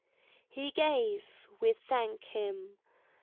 He gave; we thank him!